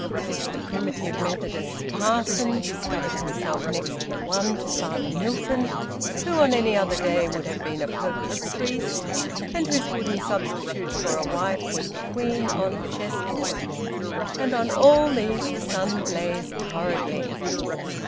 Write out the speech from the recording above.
The Primitive Methodists' parson discovered himself next but one to Father Milton, who on any other day would have been a Popish priest, and whose wooden substitute for a wife was the queen on a chessboard. And on all these the sun blazed torridly.